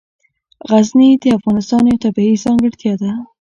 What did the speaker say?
غزني د افغانستان یوه طبیعي ځانګړتیا ده.